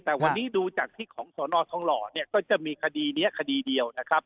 แต่วันนี้ดูจากที่ของสศฮจะมีคดีนี้คดีเดียวนะครับ